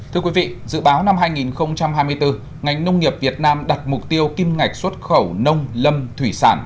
thưa quý vị dự báo năm hai nghìn hai mươi bốn ngành nông nghiệp việt nam đặt mục tiêu kim ngạch xuất khẩu nông lâm thủy sản